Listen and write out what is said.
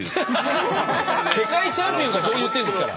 世界チャンピオンがそう言ってるんですから。